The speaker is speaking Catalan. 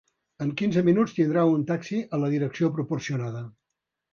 En quinze minuts tindrà un taxi a la direcció proporcionada.